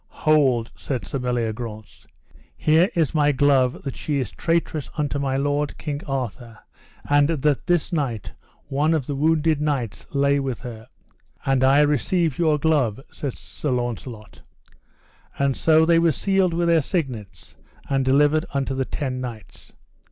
Hold, said Sir Meliagrance, here is my glove that she is traitress unto my lord, King Arthur, and that this night one of the wounded knights lay with her. And I receive your glove, said Sir Launcelot. And so they were sealed with their signets, and delivered unto the ten knights.